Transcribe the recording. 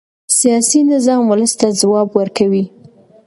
سیاسي نظام ولس ته ځواب ورکوي